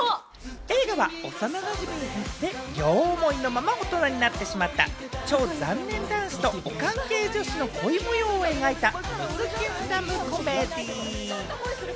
映画は、幼なじみで両思いのまま大人になってしまった超残念男子と、オカン系女子の恋模様を描いたムズキュン・ラブコメディ。